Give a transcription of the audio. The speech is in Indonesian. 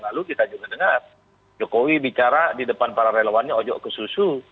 lalu kita juga dengar jokowi bicara di depan para relawannya ojok ke susu